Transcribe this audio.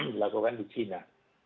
dilakukan di china